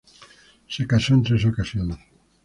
Se casó en tres ocasiones.